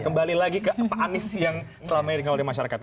kembali lagi ke pak anies yang selamanya dikawali masyarakat